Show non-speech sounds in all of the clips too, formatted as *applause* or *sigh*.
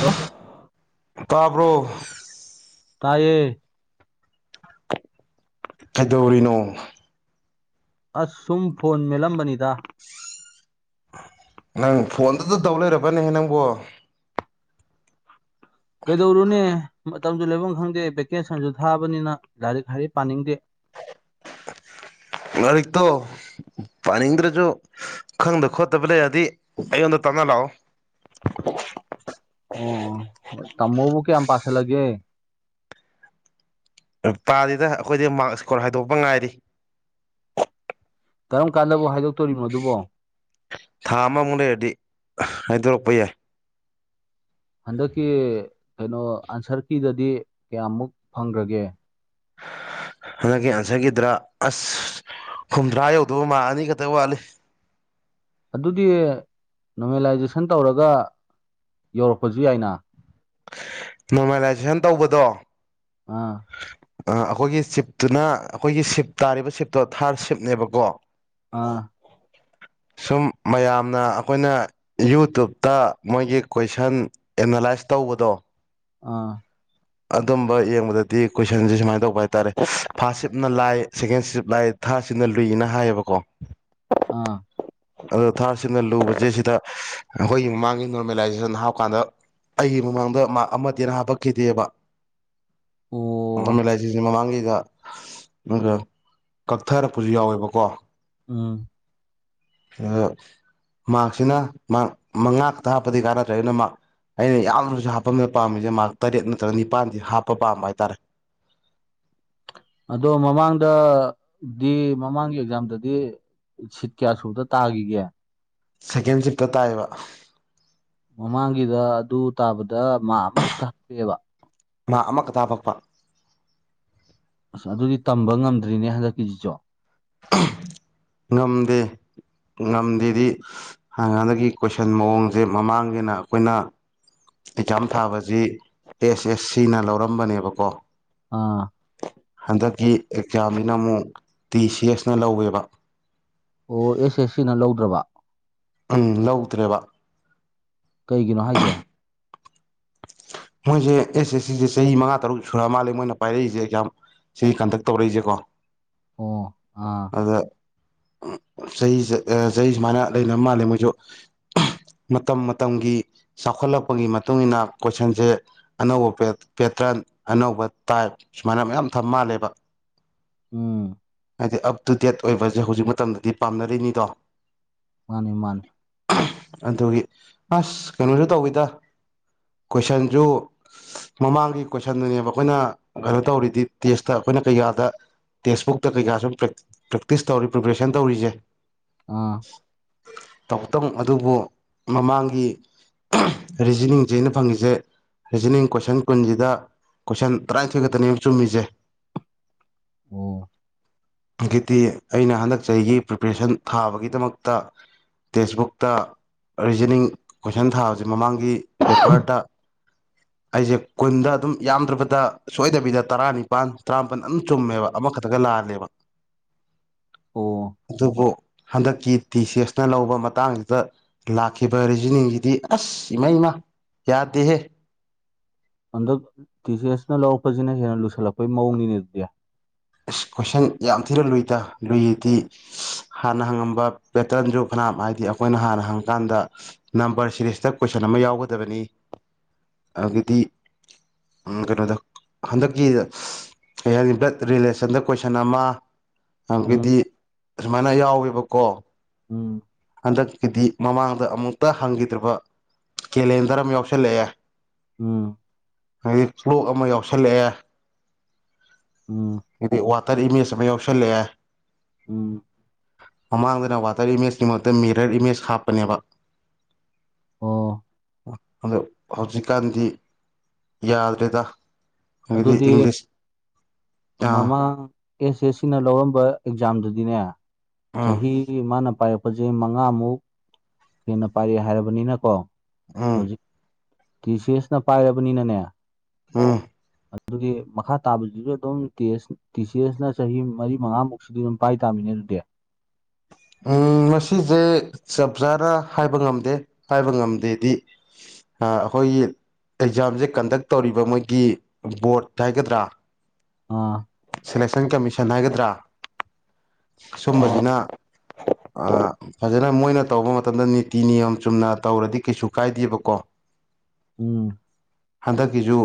hello ꯀꯥꯕ꯭ꯔꯣ ꯇꯌꯦ ꯀꯩꯗꯧꯔꯤꯅꯣ ꯑꯁ ꯁꯨꯝ ꯐꯣꯟ ꯃꯦꯜꯂꯝꯕꯅꯤꯗ ꯅꯪ ꯐꯣꯟꯗꯨꯗ ꯇꯧ ꯂꯩꯔꯕꯅꯦꯍꯦ ꯅꯪꯕꯨ ꯀꯩꯗꯧꯔꯨꯅꯦ ꯃꯇꯝꯁꯨ ꯂꯩꯐꯝ ꯈꯪꯗꯦ ꯚꯦꯀꯦꯁꯟꯁꯨ ꯊꯥꯕꯅꯤꯅ ꯂꯥꯏꯔꯤꯛ ꯍꯥꯏꯗꯤ ꯄꯥꯅꯤꯡꯗꯦ ꯂꯔꯤꯛ ꯇꯣ ꯄꯥꯅꯤꯡꯗ꯭ꯔꯁꯨ ꯈꯪꯗꯕ ꯈꯣꯠꯇꯕ ꯂꯩꯔꯗꯤ ꯑꯩꯉꯣꯟꯗ ꯇꯞꯅ ꯂꯥꯛꯑꯣ ꯑꯣ ꯇꯃꯣꯕꯨ ꯀꯌꯥꯌꯥꯝ ꯌꯥꯝ ꯄꯥꯁꯂꯒꯦ ꯅꯨꯄꯥꯔꯤꯗ ꯑꯩꯈꯣꯏꯗꯤ ꯃꯥꯔꯛ ꯏꯁꯀꯣꯔ ꯍꯥꯏꯗꯣꯛꯄ ꯉꯥꯏꯔꯤ ꯀꯔꯝ ꯀꯥꯟꯗꯕꯨ ꯍꯥꯏꯗꯣꯛ ꯊꯥ ꯑꯃꯃꯨꯛ ꯂꯩꯔꯗꯤ ꯍꯥꯏꯗꯣꯔꯛꯄ ꯌꯥꯏ ꯍꯟꯗꯛꯀꯤ ꯀꯩꯅꯣ ꯑꯟꯁꯔ ꯀꯗꯗꯤ ꯀꯌꯥꯃꯨꯛ ꯐꯪꯈ꯭ꯔꯒꯦ *inaudible* ꯍꯟꯗꯛꯀꯤ ꯑꯟꯁꯔꯒꯤꯗ꯭ꯔ ꯑꯁ ꯍꯨꯝꯗ꯭ꯔꯥ ꯌꯧꯗꯧꯕ ꯃꯥ ꯑꯅꯤ ꯈꯛꯇꯪ ꯋꯥꯠꯂꯤ ꯑꯗꯨꯗꯤ ꯅꯣꯃꯦꯂꯥꯏꯖꯦꯁꯟ ꯇꯧꯔꯒ ꯌꯧꯔꯛꯄꯁꯨ ꯌꯥꯏꯅ ꯅꯣꯔꯃꯦꯂꯥꯏꯖꯦꯁꯟ ꯇꯧꯕꯗꯣ ꯑꯥ ꯑꯩꯈꯣꯏꯒꯤ ꯆꯤꯞꯇꯨꯅ ꯑꯩꯈꯣꯏꯒꯤ ꯁꯤꯞ ꯇꯥꯔꯤꯕ ꯁꯤꯞꯇꯣ ꯊꯥꯔ ꯁꯤꯞꯅꯦꯕꯀꯣ ꯑꯥ *inaudible* ꯁꯨꯝ ꯃꯌꯥꯝꯅ ꯑꯩꯈꯣꯏꯅ ꯌꯨꯇꯕꯇ ꯃꯣꯏꯒꯤ ꯀꯣꯏꯁꯟ ꯑꯦꯅꯂꯥꯏꯁ ꯇꯧ ꯀꯨꯗꯣꯡ ꯑꯥ ꯑꯗꯨꯝꯕ ꯌꯦꯡꯕꯗꯗꯤ ꯀꯣꯏꯁꯟꯁꯦ ꯁꯨꯃꯥꯏꯅ ꯇꯧꯕ ꯍꯥꯏꯇꯥꯔꯦ ꯐꯞ ꯅ ꯂꯥꯛ ꯁꯦꯀꯦꯟ ꯁꯤ ꯂꯥꯛꯑꯦ ꯊꯥꯔꯠꯁꯤꯅ ꯂꯨꯏꯅ ꯍꯥꯏꯌꯦꯕꯀꯣ ꯑꯥ ꯑ ꯊꯥꯁꯤꯅ ꯂꯨꯕꯁꯦ ꯁꯤꯗ ꯑꯩꯈꯣꯏꯒꯤ ꯃꯃꯥꯡꯒꯤ ꯅꯣꯔꯃꯦꯂꯥꯏꯖꯦꯁꯟ ꯍꯥꯞꯀꯥꯟꯗ ꯑꯩꯒꯤ ꯃꯃꯥꯡꯗ ꯃꯥ ꯑꯃꯠꯇꯦꯅ ꯍꯥꯄꯛꯈꯤꯗꯦꯕ ꯑꯣ ꯑꯃ ꯏꯂꯥꯏꯆꯁꯤꯖꯤꯃꯥꯡꯒꯤ ꯑꯗꯨꯒ ꯀꯛꯊꯔꯛꯄꯁꯨ ꯌꯥꯎꯋꯦꯕꯀꯣ ꯎꯝ ꯎꯝ ꯃꯥꯁꯤꯅ ꯃꯉꯥꯛꯛꯇ ꯍꯥꯞꯄꯗꯤ ꯀꯥꯅꯠꯇ꯭ꯔꯦꯅ ꯃꯥ ꯑꯩꯅ ꯌꯥꯝꯅꯨꯔꯁꯨ ꯍꯥꯄꯗ ꯄꯥꯃꯤꯁꯦ ꯇꯔꯦꯠ ꯅꯠꯇ꯭ꯔꯒ ꯅꯤꯄꯥꯟꯗꯤ ꯍꯥꯞꯄ ꯄꯥꯝꯕ ꯍꯥꯏꯇꯥꯔꯦ ꯑꯗꯣ ꯃꯃꯥꯡꯗꯗꯤ ꯃꯃꯥꯡꯒꯤ ꯑꯦꯛꯖꯥꯝꯗꯗꯤ ꯁꯤꯠ ꯀꯌꯥ ꯁꯨꯗ ꯇꯥꯈꯤꯒꯦ ꯁꯦꯀꯦꯟ ꯆꯞꯇ ꯇꯥꯏꯕ ꯃꯃꯥꯡꯒꯤꯗ ꯑꯗꯨ ꯇꯥꯕꯗ ꯃꯥ ꯑꯃꯈꯛꯇ ꯍꯥꯞꯄꯤꯕ ꯃꯥ ꯑꯃꯈ ꯇꯥꯕꯛꯄ ꯑꯁ ꯑꯗꯨꯗꯤ ꯇꯝꯕ ꯉꯝꯗ꯭ꯔꯤꯅꯦ ꯍꯟꯗꯛꯀꯤꯖꯤꯁꯨ ꯉꯝꯗꯦ ꯉꯝꯗꯦꯗꯤ ꯍꯥꯟ ꯍꯥꯟꯗꯒꯤ ꯀꯣꯏꯁꯟ ꯃꯑꯣꯡꯁꯦ ꯃꯃꯥꯡꯒꯤꯅ ꯑꯩꯈꯣꯏꯅ ꯑꯦꯛꯖꯥꯝ ꯊꯥꯕꯁꯤ ꯑꯦꯁ ꯑꯦꯁ ꯁꯤꯅ ꯂꯧꯔꯝꯕꯅꯦꯕꯀꯣ ꯑꯥ ꯍꯟꯗꯛꯀꯤ ꯑꯦꯛꯖꯥꯝꯁꯤꯅ ꯑꯃꯨꯛ ꯇꯤ ꯁꯤ ꯑꯦꯁꯅ ꯂꯧꯋꯦꯕ ꯑꯣ ꯑꯦꯁ ꯑꯦꯁ ꯁꯤꯅ ꯂꯧꯗ꯭ꯔꯕ ꯎꯝ ꯂꯧꯗ꯭ꯔꯦꯕ ꯀꯩꯒꯤꯅꯣ ꯍꯥꯏꯁꯦ ꯃꯣꯏꯁꯦ ꯑꯦꯁ ꯑꯦꯁ ꯁꯤꯁꯦ ꯆꯍꯤ ꯃꯉꯥ ꯇꯔꯨꯛ ꯁꯨꯔ ꯃꯥꯜꯂꯦ ꯃꯣꯏꯅ ꯄꯥꯏꯔꯛꯏꯁꯦ ꯑꯦꯛꯖꯥꯝ ꯁꯤꯒꯤ ꯀꯟꯇꯛ ꯇꯧꯔꯛꯏꯁꯦꯀꯣ ꯑꯣ ꯑ ꯑꯗ ꯆꯍꯤ ꯆꯍꯤ ꯁꯨꯃꯥꯏꯅ ꯂꯩꯅꯕ ꯃꯥꯜꯂꯦ ꯃꯣꯏꯁꯨ ꯃꯇꯝ ꯃꯇꯝꯒꯤ ꯆꯥꯎꯈꯠꯂꯛꯄꯒꯤ ꯃꯇꯨꯡ ꯃꯇꯨꯡꯏꯟꯅ ꯀꯣꯏꯁꯟꯁꯦ ꯑꯅꯧꯕ ꯄꯦꯇ꯭ꯔꯟ ꯑꯅꯧꯕ ꯇꯥꯏꯞ ꯁꯨꯃꯥꯏꯅ ꯃꯌꯥꯝ ꯊ ꯃꯥꯜꯂꯦꯕ *unintelligible* ꯎꯝ ꯍꯥꯏꯗꯤ ꯑꯞ ꯇꯨ ꯗꯦꯠ ꯑꯣꯏꯕꯁꯦ ꯍꯧꯖꯤꯛ ꯃꯇꯝꯗꯗꯤ ꯄꯥꯝꯅꯔꯤꯅꯤꯗꯣ ꯃꯥꯅ ꯏꯅ ꯑꯗꯨꯒꯤ ꯑꯁ ꯀꯩꯅꯣꯁꯨ ꯇꯧꯋꯤꯗ ꯀꯣꯏꯁꯟꯁꯨ ꯃꯃꯥꯡꯒꯤ ꯀꯣꯏꯁꯟꯗꯨꯅꯦꯕ ꯑꯩꯈꯣꯏꯅ ꯀꯩꯅꯣ ꯇꯧꯔꯤꯗꯤ ꯇꯦꯁꯇ ꯑꯩꯈꯣꯏꯅ ꯀꯩꯀꯥꯗ ꯇꯦꯛꯁꯕꯨꯛꯇ ꯀꯩꯀꯥ ꯁꯨꯝ ꯄ꯭ꯔꯦꯛꯇꯤꯁ ꯇꯧꯔꯤ ꯄ꯭ꯔꯤꯄꯦꯔꯦꯁꯟ ꯇꯧꯔꯤꯁꯦ ꯑꯥ ꯇꯧꯇꯪ ꯑꯗꯨꯕꯨ ꯃꯃꯥꯡꯒꯤ ꯔꯤꯖꯅꯤꯡꯁꯦ ꯑꯩꯅ ꯐꯪꯉꯤꯁꯦ ꯔꯤꯖꯅꯤꯡ ꯀꯣꯏꯁꯟ ꯀꯨꯟꯁꯤꯗ ꯀꯣꯏꯁꯟ ꯇꯔꯥꯅꯤꯊꯣꯏ ꯈꯛꯇꯅꯦ ꯑꯃꯨꯛ ꯆꯨꯝꯃꯤꯁꯦ *unintelligible* ꯑꯣ ꯍꯧꯗꯤ ꯑꯩꯅ ꯍꯟꯗꯛ ꯆꯍꯤꯒꯤ ꯄ꯭ꯔꯤꯄꯦꯔꯦꯁꯟ ꯊꯥꯕꯒꯤꯗꯃꯛꯇ ꯇꯦꯛꯁꯕꯨꯛꯇ ꯔꯤꯖꯅꯤꯡ ꯀꯣꯏꯁꯟ ꯊꯥꯁꯦ ꯃꯃꯥꯡꯒꯤ *inaudible* *unintelligible* ꯑꯩꯁꯦ ꯀꯨꯟꯗ ꯑꯗꯨꯝ ꯌꯥꯝꯗ꯭ꯔꯕꯗ ꯁꯣꯏꯗꯕꯤꯗ ꯇꯔꯥꯅꯤꯄꯥꯥꯟ ꯇꯔꯥꯃꯄꯜ ꯑꯗꯨꯝ ꯆꯨꯝꯃꯦꯕ ꯑꯃꯈꯛꯇ ꯗꯒ ꯂꯥꯜꯂꯦꯕ ꯑꯣ ꯑꯗꯨꯕꯨ ꯍꯟꯗꯛꯀꯤ ꯇꯤ ꯁꯤ ꯑꯦꯁꯅ ꯂꯧꯕ ꯃꯇꯥꯡꯁꯤꯗ ꯂꯥꯛꯈꯤꯕ ꯔꯤꯖꯅꯤꯡꯁꯤꯗꯤ ꯑꯁ ꯏꯃꯩꯃ ꯌꯥꯗꯦ ꯍꯟꯗꯛ ꯇꯤ ꯁꯤ ꯑꯦꯁꯅ ꯂꯧꯔꯛꯄꯁꯤꯅ ꯍꯦꯟꯅ ꯂꯨꯁꯜꯂꯛꯄꯩ ꯃꯑꯣꯡꯅꯤꯅꯦ ꯑꯗꯨꯗꯤ ꯑꯁ ꯀꯣꯏꯁꯟ ꯌꯥꯝ ꯊꯤꯅ ꯂꯨꯏꯗ ꯂꯨꯏꯔꯤꯗꯤ ꯍꯥꯟꯅ ꯍꯪꯉꯝꯕ ꯄꯦꯇꯔꯟꯁꯨ ꯀꯅꯥꯝ ꯍꯥꯏꯗꯤ ꯑꯩꯈꯣꯏꯅ ꯍꯥꯟꯅ ꯍꯪꯉꯀꯥꯟꯗ ꯅꯝꯕꯔ ꯁꯤꯔꯤꯁꯇ ꯀꯣꯏꯁꯟ ꯑꯃ ꯌꯥꯎꯒꯗꯕꯅꯤ ꯑꯗꯤ ꯀꯩꯅꯣꯗ ꯍꯟꯗꯛꯀꯤꯗ ꯀꯩ ꯍꯥꯏꯅꯤ ꯕ꯭ꯂꯠ ꯔꯤꯂꯦꯁꯟꯗ ꯀꯣꯏꯁꯟ ꯑꯃ ꯎꯝ ꯑꯗꯨꯗꯤ ꯁꯨꯃꯥꯏꯅ ꯌꯥꯎꯋꯦꯕꯀꯣ ꯎꯝ ꯍꯟꯗꯛꯀꯤꯗꯤ ꯃꯃꯥꯡꯗ ꯑꯃꯨꯛꯇ ꯍꯪꯈꯤꯗ꯭ꯔꯕ ꯀꯦꯂꯦꯟꯗꯔ ꯑꯃ ꯌꯥꯎꯁꯜꯂꯛꯑꯦ ꯎꯝ ꯍꯥꯏꯗꯤ ꯐꯣꯛ ꯑꯃ ꯌꯥꯎꯁꯜꯂꯛꯑꯦ ꯎꯝ ꯗꯤ ꯋꯥꯇꯔ ꯏꯃꯦꯖ ꯑꯃ ꯌꯥꯎꯁꯜꯂꯛꯑꯦ ꯎꯝ ꯃꯃꯥꯡꯗꯅ ꯋꯥꯇꯔ ꯏꯃꯦꯖꯅꯤ ꯃꯍꯨꯠꯇ ꯃꯤꯔꯔ ꯏꯃꯦꯖ ꯍꯥꯞꯄꯅꯦꯕ ꯑꯣ ꯑꯗꯣ ꯍꯧꯖꯤꯛꯀꯥꯟꯗꯤ ꯌꯥꯗ꯭ꯔꯦꯗ ꯍꯥꯏꯗꯤ ꯑꯗꯨꯗꯤ ꯏꯪꯂꯤꯁ ꯑꯥ ꯃꯃꯥꯡ ꯑꯦꯁ ꯑꯦꯁ ꯁꯤꯅ ꯂꯧꯔꯝꯕ ꯑꯦꯛꯖꯥꯝꯗꯨꯗꯤꯅꯦ ꯎꯝ ꯆꯍꯤ ꯆꯍꯤ ꯃꯥꯅ ꯄꯥꯏꯔꯛꯄꯁꯦ ꯃꯉꯥꯃꯨꯛ ꯍꯦꯟꯅ ꯄꯥꯏꯔꯑꯦ ꯍꯥꯏꯔꯕꯅꯤꯅꯀꯣ ꯎꯝ ꯍꯧꯖꯤꯛ ꯇꯤ ꯁꯤ ꯑꯦꯁꯅ ꯄꯥꯏꯔꯕꯅꯤ ꯅꯅꯦ ꯑꯝ ꯑꯗꯨꯒꯤ ꯃꯈꯥ ꯇꯥꯕꯁꯤꯁꯨ ꯑꯗꯨꯝ ꯇꯁ ꯇꯤ ꯁꯤ ꯑꯦꯁꯅ ꯆꯍꯤ ꯃꯔꯤ ꯃꯉꯥꯃꯨꯛꯁꯤꯗꯤ ꯑꯗꯨꯝ ꯄꯥꯏ ꯇꯥꯃꯤꯅꯦ ꯗꯌꯥ *unintelligible* ꯎꯝ ꯉꯁꯦ ꯆꯞ ꯆꯥꯅ ꯍꯥꯏꯕ ꯉꯝꯗꯦ ꯍꯥꯏꯕ ꯉꯝꯗꯦꯗꯤ ꯑ ꯑꯩꯈꯣꯏꯒꯤ ꯑꯦꯛꯖꯥꯝꯁꯦ ꯀꯟꯗꯛ ꯇꯧꯔꯤꯕ ꯃꯣꯏꯒꯤ ꯕꯣꯔꯗ ꯍꯥꯏꯒꯗ꯭ꯔꯥ ꯑꯥ ꯁꯦꯂꯦꯛꯁꯟ ꯀꯃꯤꯁꯟ ꯍꯥꯏꯒꯗ꯭ꯔꯥ ꯁꯨꯝꯕꯁꯤꯅ *unintelligible* ꯐꯖꯅ ꯃꯣꯏꯅ ꯇꯧꯕ ꯃꯇꯝꯗ ꯅꯤꯇꯤ ꯅꯤꯌꯣꯝ ꯆꯨꯝꯅ ꯇꯧꯔꯗꯤ ꯀꯩꯁꯨ ꯀꯥꯏꯗꯦꯕꯀꯣ ꯎꯝ ꯍꯟꯗꯛꯀꯤꯁꯨ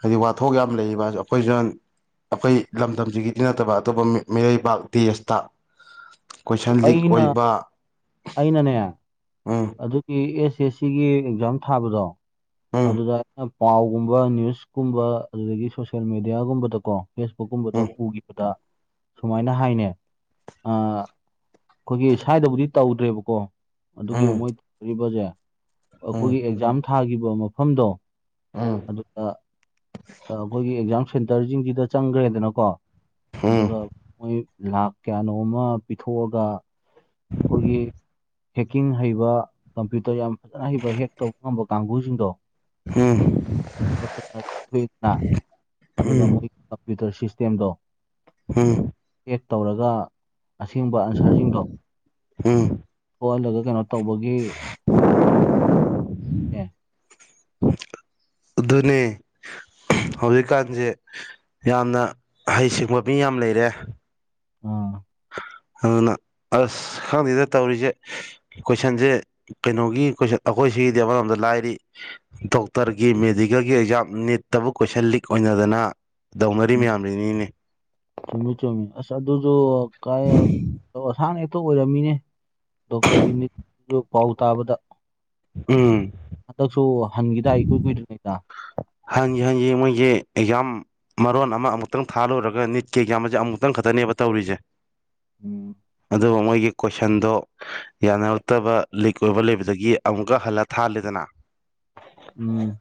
ꯍꯥꯏꯗꯤ ꯋꯥꯊꯣꯛ ꯌꯥꯝ ꯂꯩꯔꯤꯕ ꯑꯩꯈꯣꯏꯁꯨ ꯑꯩꯈꯣꯏ ꯂꯝꯗꯝꯁꯤꯒꯤꯗꯤ ꯅꯠꯇꯕ ꯑꯇꯣꯞꯄ ꯃꯤꯔꯩꯕꯥꯛ ꯗꯦꯁꯇ ꯀꯣꯏꯁꯟ ꯂꯤꯛ ꯑꯩꯅ ꯑꯣꯏꯕ ꯑꯩꯅꯅꯦ ꯎꯝ ꯑꯗꯨꯒꯤ ꯑꯦꯁ ꯑꯦꯁ ꯁꯤꯒꯤ ꯑꯦꯛꯖꯥꯝ ꯊꯥꯕꯗꯣ ꯎꯝ ꯎꯝ ꯎꯝ ꯎꯝ ꯎꯝ ꯎꯝ ꯑꯗꯨꯗ ꯑꯩꯅ ꯄꯥꯎꯒꯨꯝꯕ ꯅ꯭ꯌꯨꯁꯀꯨꯝꯕ ꯑꯗꯨꯗꯒꯤ ꯁꯣꯁꯌꯦꯦꯜ ꯃꯦꯗꯤꯌꯥꯒꯨꯝꯕꯗꯀꯣ ꯐꯦꯁꯕꯨꯛꯀꯨꯝꯕꯗ ꯎꯈꯤꯕꯗ ꯁꯨꯃꯥꯏꯅ ꯍꯥꯏꯅꯦ ꯑ ꯑꯩꯈꯣꯏꯒꯤ ꯁ꯭ꯋꯥꯏꯗꯕꯨꯗꯤ ꯇꯧꯗ꯭ꯔꯦꯕꯀꯣ ꯑꯗꯨꯒꯤ ꯃꯣꯏꯧꯔꯤꯕꯁꯦ ꯑꯩꯈꯣꯏꯒꯤ ꯑꯦꯛꯖꯥꯝ ꯊꯥꯈꯤꯕ ꯃꯐꯝꯗꯣ ꯑꯗꯨꯒ ꯑꯩꯈꯣꯏꯒꯤ ꯑꯦꯛꯖꯥꯝ ꯁꯦꯟꯇꯔꯁꯤꯡꯁꯤꯗ ꯆꯪꯈ꯭ꯔꯦꯗꯅꯀꯣ ꯑꯗꯨꯒ ꯃꯣꯏ ꯂꯥꯈ ꯀꯌꯥꯅꯣ ꯑꯃ ꯄꯤꯊꯣꯛꯑꯒ ꯑꯩꯈꯣꯏꯒꯤ ꯍꯦꯛꯀꯤꯡ ꯍꯩꯕ ꯀꯝꯄ꯭ꯌꯨꯇꯔ ꯌꯥꯝ ꯐꯖꯅ ꯍꯩꯕ ꯍꯦꯛ ꯇꯧꯕ ꯉꯝꯕ ꯀꯥꯡꯕꯨꯁꯤꯡꯗꯣ ꯎꯝ ꯑꯗꯨꯒ ꯃꯣꯏ ꯀꯝꯄꯨꯇꯔ ꯇꯦꯝꯗꯣ ꯍꯝ ꯆꯦꯛ ꯇꯧꯔꯒ ꯑꯁꯦꯡꯕ ꯑꯟꯁꯔꯁꯤꯡꯗꯣ ꯍꯝ ꯑꯣꯣꯜꯂꯒ ꯀꯩꯅꯣ ꯇꯧꯕꯒꯤ ꯎꯝ ꯑꯗꯨꯅꯦ ꯍꯧꯖꯤꯛꯀꯥꯟꯁꯦ ꯌꯥꯝꯅ ꯍꯩꯁꯤꯡꯕ ꯃꯤ ꯌꯥꯝ ꯂꯩꯔꯦ ꯑꯣ ꯑꯗꯨꯅ ꯑꯁ ꯈꯪꯉꯤꯗ ꯇꯧꯔꯤꯁꯦ ꯀꯣꯏꯁꯟꯁꯦ ꯀꯩꯅꯣꯒꯤ ꯀꯣꯏꯁꯟ ꯑꯩꯈꯣꯏ ꯁꯤꯒꯤꯗꯤ ꯑꯃꯔꯣꯝꯗ ꯂꯥꯏꯔꯤ ꯗꯣꯛꯇꯔꯒꯤ ꯃꯦꯗꯤꯀꯦꯜꯒꯤ ꯑꯦꯛꯖꯥꯝ ꯅꯅꯤꯠꯇꯕ ꯀꯣꯏꯁꯟ ꯂꯤꯛ ꯑꯣꯏꯅ ꯗꯅ ꯗꯧꯅꯔꯤ ꯎꯝ ꯃꯌꯥꯝ ꯂꯩꯅꯤꯅꯦ ꯆꯨꯝꯃꯤ ꯆꯨꯝꯃꯤ ꯑꯁ ꯑꯗꯨꯁꯨ ꯀꯥꯏꯁꯥꯡꯅꯛꯇ ꯑꯣꯏꯔꯝꯃꯤꯅꯦ ꯗꯣꯛꯇꯔꯒꯤ ꯃꯤ ꯄꯥꯎ ꯇꯥꯕꯗ ꯎꯝ ꯍꯟꯗꯛꯁꯨ ꯍꯟꯈꯤꯗꯥꯏ ꯏꯀꯨꯏ ꯀꯨꯏꯗ꯭ꯔꯤꯉꯩꯗ ꯍꯥꯟꯖꯤꯡ ꯃꯣꯏꯒꯤ ꯑꯦꯛꯖꯥꯝ ꯃꯔꯣꯟ ꯑꯃꯨꯛꯇꯪ ꯊꯥꯂꯨꯔꯒ ꯅꯤꯠꯀꯤ ꯑꯦꯛꯖꯥꯝ ꯑꯁꯦ ꯑꯃꯨꯛꯇꯪ ꯈꯛꯇꯅꯦꯕ ꯇꯧꯔꯤ ꯄꯤꯖ ꯎꯝ ꯑꯗꯨꯕꯨ ꯃꯣꯏꯒꯤ ꯀꯣꯏꯁꯟꯗꯣ ꯌꯥꯅꯔꯛꯇꯕ ꯂꯤꯛ ꯑꯣꯏꯕ ꯂꯩꯕꯗꯒꯤ ꯑꯃꯨꯛꯀ ꯍꯜꯂ ꯊꯥꯜꯂꯤꯦꯗꯅ ꯎꯝ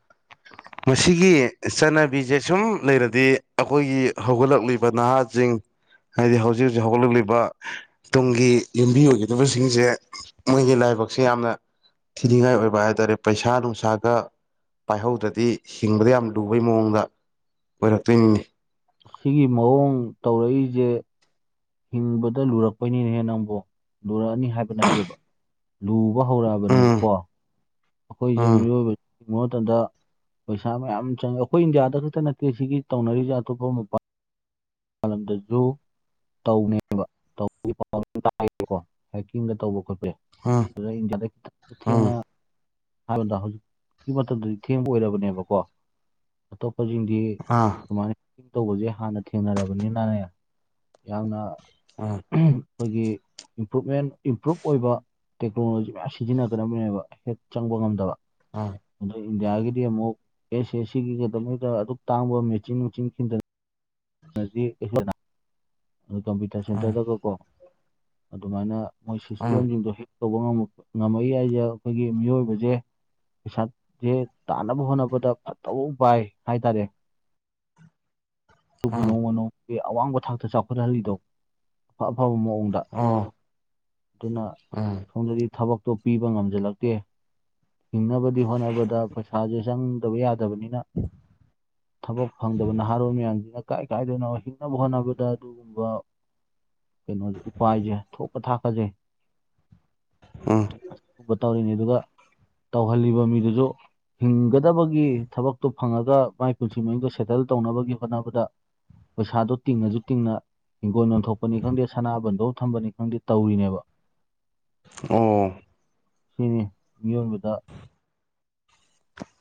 ꯃꯁꯤꯒꯤ ꯆꯠꯅꯕꯤꯁꯦ ꯁꯨꯝ ꯂꯩꯔꯗꯤ ꯑꯩꯈꯣꯏꯒꯤ ꯍꯧꯒꯠꯂꯛꯂꯤꯕ ꯅꯍꯥꯁꯤꯡ ꯍꯥꯏꯗꯤ ꯍꯧꯖꯤꯛ ꯍꯧꯖꯤꯛ ꯍꯧꯒꯠꯂꯛꯂꯤꯕ ꯇꯨꯡꯒꯤ ꯌꯨꯝꯕꯤ ꯑꯣꯏꯒꯗꯕꯁꯤꯡꯁꯦ ꯃꯣꯏꯒꯤ ꯂꯥꯏ ꯊꯥꯏꯕꯛꯁꯦ ꯌꯥꯝꯅ ꯊꯤꯅꯤꯡꯉꯥꯏ ꯑꯣꯏꯕ ꯍꯥꯏꯇꯥꯔꯦ ꯄꯩꯁꯥ ꯅꯨꯡꯁꯥꯒ ꯄꯥꯏꯍꯧꯗ꯭ꯔ ꯇꯤ ꯍꯤꯡꯕꯗ ꯌꯥꯝ ꯂꯨꯕꯩ ꯃꯑꯣꯡꯗ ꯑꯣꯏꯔꯛꯇꯣꯏꯅꯤꯅꯤ ꯁꯤꯒꯤ ꯃꯑꯣꯡ ꯇꯧꯔꯛꯏꯁꯦ ꯍꯤꯡꯕꯗ ꯂꯨꯔꯛꯄꯅꯤꯅꯦꯍꯦ ꯅꯪꯕꯨ ꯂꯨꯔꯛꯑꯅꯤ ꯍꯥꯏꯕ ꯅꯠꯇꯦꯕ ꯂꯨꯕ ꯎꯝ ꯍꯧꯔꯛꯑꯕꯅꯦꯕꯀꯣ ꯑꯩꯈꯣꯏꯁꯦ ꯎꯝ ꯃꯤꯑꯣꯏꯕ ꯌꯦꯤꯡꯕ ꯃꯇꯝꯗ ꯄꯩꯁꯥ ꯃꯌꯥꯝ ꯆꯪꯉꯦ ꯑꯩꯈꯣꯏ ꯏꯟꯗꯤꯌꯥꯗ ꯈꯛꯇ ꯅꯠꯇꯦ ꯁꯤꯒꯤ ꯇꯧꯅꯔꯤꯁꯦ ꯑꯇꯣꯞꯄ ꯃꯄꯥ ꯗꯁꯨ ꯇꯧꯅꯦꯕ ꯇꯒꯤ ꯍꯥꯏꯦꯀꯣ ꯍꯥꯏꯀꯤꯡꯒ ꯇꯧꯕ ꯈꯣꯠꯄ ꯌꯥ ꯎꯝ ꯑꯗꯨꯗ ꯏꯟꯗꯤꯌꯥꯗ ꯈꯤꯇꯪ ꯎꯝ ꯊꯦꯡꯅ ꯍꯥꯏꯕꯗ ꯍꯧꯖꯤꯛꯀꯤ ꯃꯇꯝꯗꯗꯤ ꯊꯦꯡꯕ ꯑꯣꯏꯔꯕꯅꯦꯕꯀꯣ ꯑꯣꯏꯁꯤꯡꯗꯤ ꯑꯥ ꯁꯨꯃꯥꯏꯅ ꯇꯧꯕꯁꯦ ꯍꯥꯟꯅ ꯊꯦꯡꯅꯔꯕꯅꯤꯅꯅꯦ ꯌꯥꯝꯅ ꯑꯥ ꯑꯩꯈꯣꯏꯒꯤ ꯏꯝꯄ꯭ꯔꯨꯞꯃꯦꯟ ꯏꯝꯄ꯭ꯔꯨꯞ ꯑꯣꯏꯕ ꯇꯦꯛꯅꯣꯂꯣꯖꯤ ꯃꯌꯥꯝ ꯁꯤꯖꯤꯟꯅꯒꯗꯕꯅꯦꯕ ꯍꯦꯛ ꯆꯪꯕ ꯉꯝꯗꯕ ꯑꯥ ꯑꯗꯣ ꯏꯟꯗꯤꯌꯥꯒꯤꯗꯤ ꯑꯃꯨꯛ ꯑꯦꯁ ꯑꯦꯁ ꯁꯤꯒꯤꯗꯃꯛꯇ ꯑꯗꯨꯛ ꯇꯥꯡꯕ ꯃꯦꯆꯤꯟ ꯃꯦꯆꯤꯟ ꯈꯤꯟꯊꯅ ꯅꯣ ꯑꯗꯨ ꯀꯝꯄ꯭ꯌꯨꯇꯔ ꯁꯦꯟꯇꯔꯗꯒꯀꯣ ꯑꯗꯨꯃꯥꯏꯅ ꯃꯣꯏ ꯎꯝ ꯁꯤꯁꯇꯦꯝꯁꯤꯡꯗꯣ ꯍꯦꯛ ꯇꯧꯕ ꯉꯝꯃꯛꯏ ꯍꯥꯏꯁꯦ ꯑꯩꯈꯣꯏꯒꯤ ꯃꯤꯑꯣꯏꯕꯁꯦ ꯄꯩꯁꯥꯁꯦ ꯇꯥꯅꯕ ꯍꯣꯠꯅꯕꯗ ꯐꯠꯇꯕ ꯄꯏ ꯍꯥꯏ ꯇꯔꯦ *inaudible* ꯑꯗꯨ ꯎꯝ ꯀꯅꯨꯅꯣ ꯑꯋꯥꯡꯕ ꯊꯥꯛꯇ ꯆꯥꯎꯈꯠꯍꯜꯂꯤꯗꯣ ꯑꯐ ꯑꯐꯕ ꯃꯑꯣꯡ ꯁꯗ ꯎꯝ ꯑꯣ ꯑꯗꯨꯅ ꯎꯝ ꯁꯣꯝꯗꯗꯤ ꯊꯕꯛ ꯇꯣ ꯄꯤꯕ ꯉꯝꯁꯤꯜꯂꯛꯇꯦ ꯍꯤꯡꯅꯕꯗꯤ ꯍꯣꯠꯅꯕꯗ ꯄꯩꯁꯥꯁꯦ ꯆꯪꯗꯕ ꯌꯥꯗ ꯐꯕꯅꯤꯅ ꯊꯕꯛ ꯐꯪꯗꯕ ꯅꯍꯥꯔꯣꯜ ꯃꯌꯥꯝꯁ ꯇꯀꯥꯏ ꯀꯥꯏꯗꯅ ꯍꯤꯡꯅꯕ ꯍꯣꯠꯅꯕꯗ ꯑꯗꯨꯒꯨꯝꯕ ꯀꯩꯅꯣꯁꯦ ꯎꯄꯥꯏꯁꯦ ꯊꯣꯛꯀ ꯊꯥꯛꯀꯁꯩ ꯎꯝ ꯑꯁꯤꯒꯨꯝꯕ ꯇꯧꯔꯤꯅꯤ ꯑꯗꯨꯒ ꯇꯧꯍꯜꯂꯤꯕ ꯃꯤꯗꯨꯁꯨ ꯍꯤꯡꯒꯗꯕꯒꯤ ꯊꯕꯛꯇꯣ ꯐꯪꯉꯒ ꯃꯥꯏ ꯄꯨꯟꯁꯤ ꯃꯍꯤꯡꯗꯣ ꯁꯦꯇꯜ ꯇꯧꯅꯕꯒꯤ ꯍꯣꯠꯅꯕꯗ ꯄꯩꯁꯥꯗꯣ ꯇꯤꯡꯉꯁꯨ ꯇꯤꯡꯅ ꯍꯤꯡꯒꯣꯜ ꯂꯣꯟꯊꯣꯛꯄꯅꯤ ꯈꯪꯗꯦ ꯁꯅꯥꯕꯟꯗꯧ ꯊꯝꯕꯅꯤ ꯈꯪꯗꯦ ꯇꯧꯔꯤꯅꯦꯕ ꯑꯣ ꯁꯤꯅꯤ ꯃꯤꯑꯣꯏꯕꯗ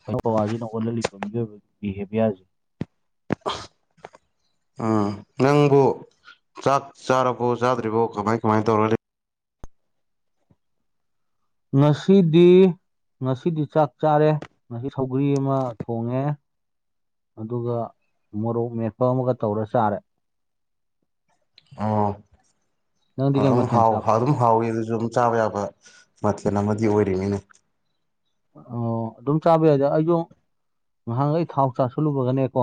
ꯀꯔ ꯀꯋꯥꯖꯤꯅ ꯑꯣꯣꯂꯂꯤ ꯝ ꯕꯤꯍꯦꯕꯤꯌꯥꯖ ꯎꯝ ꯅꯪꯕꯨ ꯆꯥꯛ ꯆꯥꯔꯕꯣ ꯆꯥꯗ꯭ꯔꯤꯕꯣ ꯀꯃꯥꯏ ꯀꯃꯥꯏ ꯇꯧꯔꯒ ꯂꯩ ꯉꯁꯤꯗꯤ ꯉꯁꯤꯗꯤ ꯆꯥꯛ ꯆꯥꯔꯦ ꯉꯁꯤ ꯁꯧꯒ꯭ꯔꯤ ꯑꯃ ꯊꯣꯡꯉꯦ ꯑꯗꯨꯒ ꯃꯣꯔꯣꯛ ꯃꯦꯠꯄ ꯑꯃꯒ ꯇꯧꯔ ꯆꯥꯔꯦ ꯑꯣ ꯅꯪꯗꯤ ꯀꯩ ꯑꯗꯨꯝ ꯃꯊꯦꯜ ꯍꯥꯎ ꯆꯥꯕ ꯑꯗꯨꯝ ꯍꯥꯎꯋꯤ ꯑꯗꯨꯁꯨ ꯑꯗꯨꯝ ꯆꯥꯕ ꯌꯥꯕ ꯃꯊꯦ ꯃꯊꯦꯜ ꯑꯃꯗꯤ ꯑꯣꯏꯔꯤꯅꯤꯅꯦ ꯑꯣ ꯑꯗꯨꯝ ꯆꯥꯕ ꯌꯥꯢꯗ ꯑꯩꯖꯨ ꯉꯍꯥꯟꯒꯩ ꯊꯥꯎ ꯆꯥꯥꯁꯜꯂꯨꯕꯒꯅꯦꯀꯣ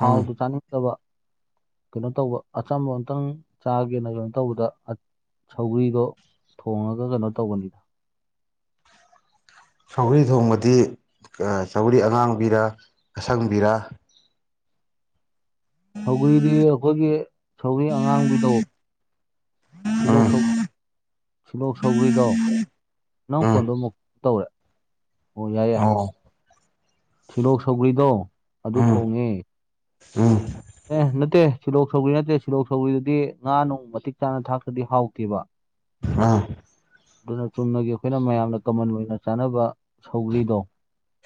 ꯎꯝ ꯆꯥꯅꯤꯡꯗꯕ ꯀꯩꯅꯣ ꯇꯧꯕ ꯑꯆꯝꯕ ꯑꯝꯇꯪ ꯆꯥꯒꯦꯅ ꯀꯩꯅꯣ ꯇꯧꯕꯗ ꯁꯧꯒ꯭ꯔꯤꯗꯣ ꯊꯣꯡꯉꯒ ꯀꯩꯅꯣ ꯇꯧꯕꯅꯤꯗ ꯁꯧꯒ꯭ꯔꯤ ꯊꯣꯡꯕꯗꯤ ꯁꯧꯒ꯭ꯔꯤ ꯑꯉꯥꯡꯕꯤꯔꯥ ꯑꯁꯪꯕꯤꯔꯥ ꯁꯧꯒꯔ꯭ꯤꯗꯤ ꯑꯩꯈꯣꯏꯒꯤ ꯁꯧꯒꯔꯤ ꯑꯉꯥꯡꯕꯤꯗꯣ ꯁꯤꯜꯂꯣꯛ ꯎꯝ ꯁꯧ ꯁꯤꯜꯂꯣꯛ ꯁꯧꯒ꯭ꯔꯤꯗꯣ ꯅꯪ ꯎꯝ ꯀꯣꯜꯗꯣ ꯑꯃꯨꯛ ꯇꯧꯔꯦ ꯍꯣ ꯌꯥꯏ ꯌꯥꯢ ꯑꯣ ꯁꯤꯂꯣꯛ ꯁꯧꯒ꯭ꯔꯤꯗꯣ ꯑꯗꯨ ꯎꯝ ꯊꯣꯡꯉꯦ ꯎꯝ ꯑꯦ ꯅꯠꯇꯦ ꯁꯤꯜꯂꯣꯛ ꯁꯧꯒ꯭ꯔꯤ ꯅꯠꯇꯦ ꯁꯤꯜꯂꯣꯛ ꯁꯧꯒ꯭ꯔꯤꯗꯨꯗꯤ ꯉꯥ ꯅꯨꯡ ꯃꯇꯤꯛ ꯆꯥꯅ ꯊꯥꯛꯇ꯭ꯔꯗꯤ ꯍꯥꯎꯇꯦꯕ ꯑꯥ ꯑꯗꯨꯅ ꯆꯨꯝꯅꯒꯤ ꯑꯈꯣꯏꯅ ꯃꯌꯥꯝꯅ ꯀꯃꯟ ꯑꯣꯏꯅ ꯆꯥꯅꯕ ꯁꯧꯒ꯭ꯔꯤꯗꯣ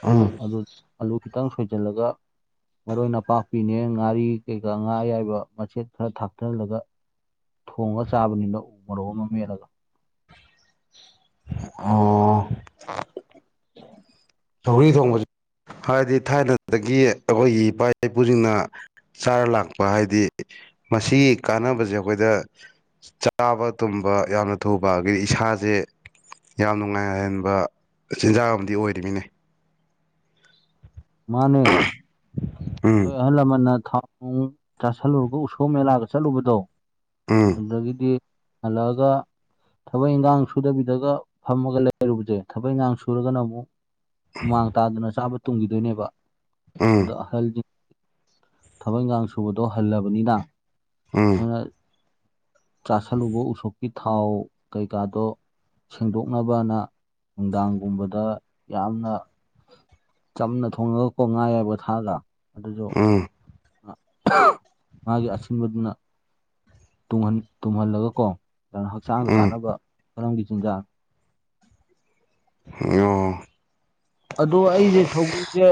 ꯎꯝ ꯑꯗꯨ ꯑꯂꯨ ꯈꯤꯇꯪ ꯁꯣꯏꯖꯤꯜꯂꯒ ꯃꯔꯣꯏ ꯅꯄꯥꯛꯄꯤꯅꯦ ꯉꯥꯔꯤ ꯀꯩꯀꯥ ꯉꯥ ꯑꯌꯥꯏꯕ ꯃꯆꯦꯠ ꯈꯔ ꯊꯥꯛꯆꯜꯂꯒ ꯊꯣꯡꯉ ꯆꯥꯕꯅꯤꯗꯣ ꯃꯔꯣꯛ ꯑꯃ ꯃꯦꯠꯂꯒ ꯑꯣ *unintelligible* ꯁꯧꯒ꯭ꯔꯤ ꯊꯣꯡꯕꯁꯦ ꯍꯥꯏꯗꯤ ꯊꯥꯏꯅꯗꯒꯤ ꯑꯈꯣꯏꯒꯤ ꯏꯄꯥ ꯏꯄꯨꯁꯤꯡꯅ ꯆꯥꯔ ꯂꯥꯛꯄ ꯍꯥꯏꯗꯤ ꯃꯁꯤꯒꯤ ꯀꯥꯟꯅꯕꯁꯦ ꯑꯈꯣꯏꯗ ꯆꯥꯕ ꯇꯨꯝꯕ ꯌꯥꯝꯅ ꯊꯨꯕ ꯑꯗꯒꯤꯗꯤ ꯏꯁꯥꯁꯦ ꯌꯥꯝ ꯅꯨꯡꯉꯥꯏꯍꯟꯕ ꯆꯤꯟꯖꯥꯛ ꯑꯃꯗꯤ ꯑꯣꯏꯔꯤꯃꯤꯅꯦ ꯃꯥꯅꯦ ꯍꯣꯏ ꯎꯝ ꯑꯍꯜ ꯂꯃꯟꯅ ꯊꯥꯎ ꯆꯥꯁꯤꯜꯂꯨꯕ ꯎꯁꯣꯞ ꯃꯦꯂꯥꯗ ꯆꯠꯂꯨꯕꯗꯣ ꯎꯝ ꯑꯗꯒꯤꯗꯤ ꯍꯜꯂꯛꯑꯒ ꯊꯕꯛ ꯏꯟꯈꯥꯡ ꯁꯨꯗꯕꯤꯗꯒ ꯐꯝꯃꯒ ꯂꯩꯔꯨꯕꯁꯦ ꯊꯕꯛ ꯏꯟꯈꯥꯡ ꯁꯨꯔꯒꯅ ꯑꯃꯨꯛ ꯍꯨꯃꯥꯡ ꯇꯥꯗꯅ ꯆꯥꯕ ꯇꯨꯝꯈꯤꯗꯣꯏꯅꯦꯕ ꯎꯝ ꯑꯗꯣ ꯑꯍꯜꯁꯤꯡ ꯊꯕꯛ ꯏꯪꯈꯥꯡ ꯁꯨꯕꯗꯣ ꯍꯜꯂꯕꯅꯤꯅ ꯎꯝ ꯃꯣꯏꯅ ꯆꯥꯥꯁꯜꯂꯨꯕ ꯎꯁꯣꯞꯀꯤ ꯊꯥꯎ ꯀꯩꯀꯥꯗꯣ ꯁꯦꯡꯗꯣꯛꯅꯕꯅ ꯅꯨꯡꯗꯥꯡꯒꯨꯝꯕꯗ ꯌꯥꯝꯅ ꯆꯝꯅ ꯊꯣꯡꯉꯒ ꯀꯣ ꯉꯥꯏ ꯑꯌꯥꯏꯕꯒ ꯊꯥꯛꯑꯒ ꯑꯗꯨꯗꯣ ꯎꯝ ꯃꯥꯒꯤ ꯑꯁꯤꯟꯕꯗꯨꯅ ꯇꯨꯝꯍꯟ ꯇꯨꯝꯍꯜꯂꯒꯀꯣ ꯑꯗꯨꯅ ꯍꯛꯆꯥꯡꯗ ꯎꯝ ꯀꯥꯟꯅꯕ ꯃꯔꯝꯒꯤ ꯆꯤꯟꯖꯥꯛꯅꯤ ꯑꯣ ꯑꯗꯣ ꯑꯩꯁꯦ ꯁꯧꯒ꯭ꯔꯤꯁꯦ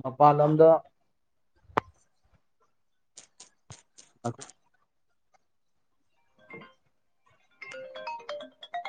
ꯃꯄꯥꯟ ꯂꯝꯗ *unintelligible* *unintelligible* *unintelligible*